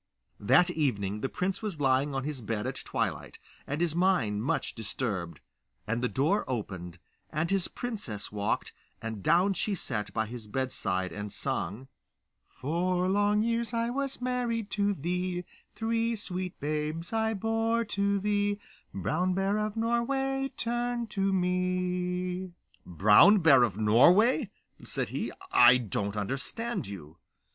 That evening the prince was lying on his bed at twilight, and his mind much disturbed; and the door opened, and in his princess walked, and down she sat by his bedside and sung: Four long years I was married to thee; Three sweet babes I bore to thee; Brown Bear of Norway, turn to me. 'Brown Bear of Norway!' said he. 'I don't understand you.